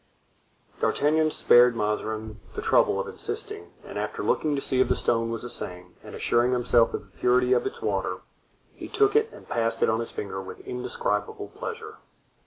D'Artagnan spared Mazarin the trouble of insisting, and after looking to see if the stone was the same and assuring himself of the purity of its water, he took it and passed it on his finger with indescribable pleasure.